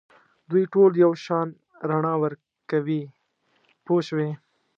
دوی ټول یو شان رڼا ورکوي پوه شوې!.